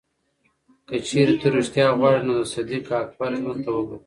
که چېرې ته ریښتیا غواړې، نو د صدیق اکبر ژوند ته وګوره.